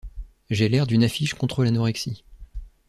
J’ai l’air d’une affiche contre l’anorexie.